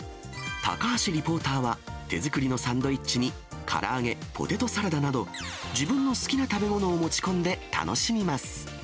高橋リポーターは手作りのサンドイッチにから揚げ、ポテトサラダなど、自分の好きな食べ物を持ち込んで、楽しみます。